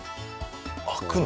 開くの？